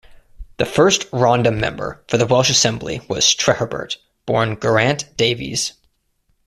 The first Rhondda member for the Welsh Assembly was Treherbert born Geraint Davies.